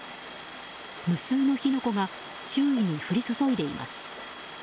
無数の火の粉が周囲に降り注いでいます。